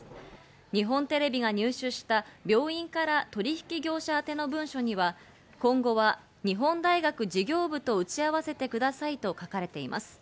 日本テレビが入手した病院から取引業者宛ての文書には、今後は日本大学事業部と打ち合わせてくださいと書かれています。